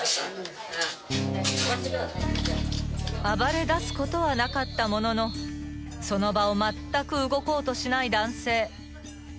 ［暴れだすことはなかったもののその場をまったく動こうとしない男性］